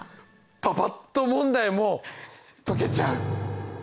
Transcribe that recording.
パパっと問題も解けちゃう！